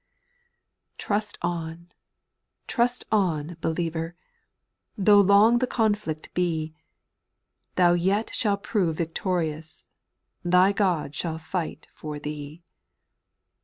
mRUST on, trust on, believer 1 X Though long the conflict be, Thou yet shalt prove victorious, Thy God shall fight for thee.